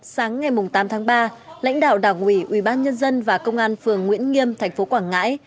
sáng ngày tám tháng ba lãnh đạo đảng ủy ubnd và công an phường nguyễn nghiêm tp quảng ngãi